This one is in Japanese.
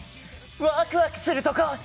ワクワクするとこ！